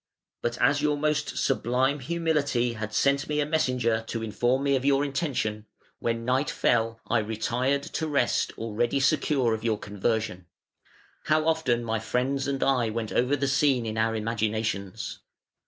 But as your most sublime Humility had sent me a messenger to inform me of your intention, when night fell I retired to rest already secure of your conversion. How often my friends and I went over the scene in our imaginations!